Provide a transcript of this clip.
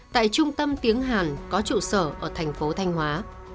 tại trung tâm tiếng hàn có trụ sở ở thành phố thanh hóa